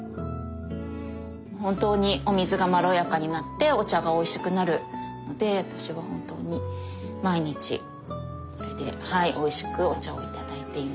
本当にお水がまろやかになってお茶がおいしくなるので私は本当に毎日これでおいしくお茶をいただいています。